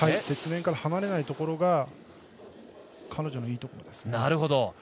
雪面から離れないところが彼女のいいところですね。